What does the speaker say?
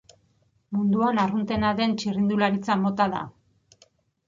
Munduan arruntena den txirrindularitza mota da.